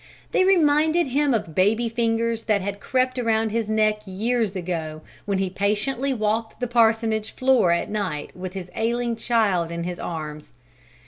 They reminded him of baby fingers that had crept around his neck years ago when he patiently walked the parsonage floor at night with his ailing child in his arms.